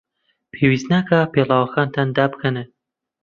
پێویست ناکات پێڵاوەکانتان دابکەنن.